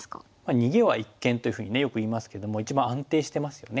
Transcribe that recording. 「逃げは一間」というふうにねよく言いますけども一番安定してますよね。